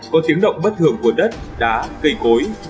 có tiếng động bất thường của đất đá cây cối